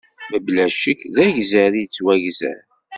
Mebla ccekk, d agzar i yettwagzer.